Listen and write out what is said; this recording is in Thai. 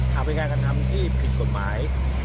ทำลายงานการทำที่ผิดกฎหมาย